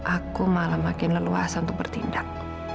aku malah makin leluasa untuk bertindak